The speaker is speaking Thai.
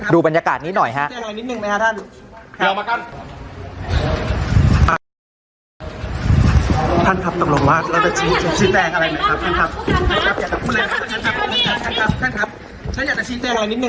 ดูบรรยากาศนี้หน่อยครับ